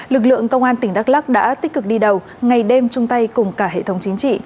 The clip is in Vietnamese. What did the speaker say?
lực lượng công an tỉnh đắk lắc đã tích cực đi đầu ngày đêm chung tay cùng cả hệ thống chính trị